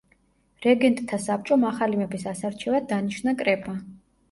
რეგენტთა საბჭომ ახალი მეფის ასარჩევად დანიშნა კრება.